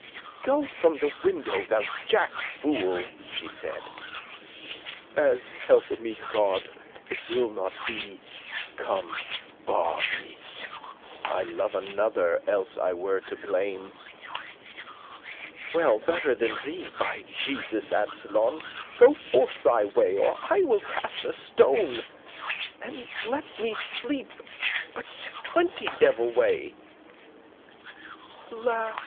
"Go from the window, thou jack fool," she said: "As help me God, it will not be, 'come ba* me.' *kiss I love another, else I were to blame", Well better than thee, by Jesus, Absolon. Go forth thy way, or I will cast a stone; And let me sleep; *a twenty devil way*. *twenty devils take ye!* "Alas!"